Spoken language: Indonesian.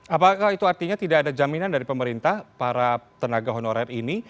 apakah itu artinya tidak ada jaminan dari pemerintah para tenaga honorer ini